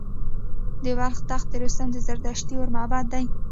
د بلخ تخت رستم د زردشتي اور معبد دی